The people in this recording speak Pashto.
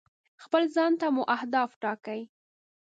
خپل ځان ته مو اهداف ټاکئ.